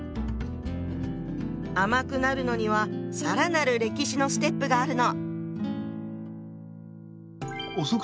甘くなるのには更なる歴史のステップがあるの。